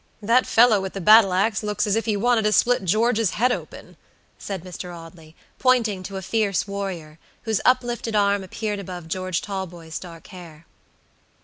"That fellow with the battle ax looks as if he wanted to split George's head open," said Mr. Audley, pointing to a fierce warrior, whose uplifted arm appeared above George Talboys' dark hair.